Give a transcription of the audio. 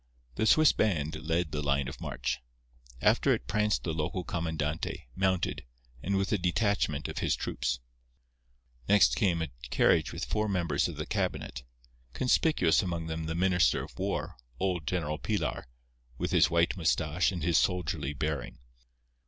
The Swiss band led the line of march. After it pranced the local comandante, mounted, and a detachment of his troops. Next came a carriage with four members of the cabinet, conspicuous among them the Minister of War, old General Pilar, with his white moustache and his soldierly bearing.